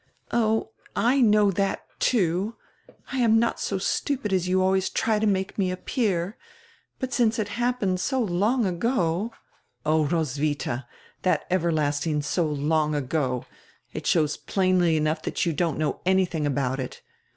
"Oh, I know drat, too; I am not so stupid as you always try to make me appear. But since it happened so long ago " "Oh, Roswitha, that everlasting 'so long ago!' It shows plainly enough that you don't know anything about it.